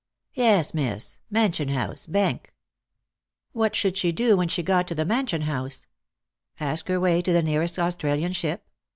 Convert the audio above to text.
" Yes, miss. Mension House — Benk." What should she do when she got to the Mansion House P Ask her way to the nearest Australian ship